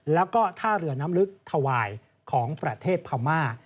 แล้วก็ท่าเรือน้ำลึกถวายของประเทศพม่า